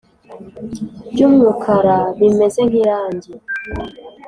by’umukara bimeze nk'irangi